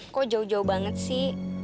kok jauh jauh banget sih